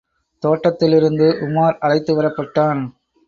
தோட்டத்திலிருந்து உமார் அழைத்து வரப்பட்டான்.